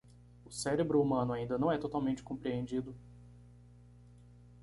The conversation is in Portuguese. O cérebro humano ainda não é totalmente compreendido.